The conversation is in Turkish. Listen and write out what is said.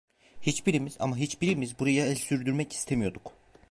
Hiçbirimiz, ama hiçbirimiz buraya el sürdürmek istemiyorduk.